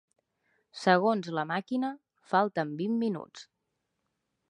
Segons la màquina, falten vint minuts.